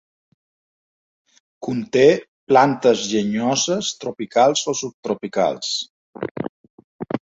Conté plantes llenyoses tropicals o subtropicals.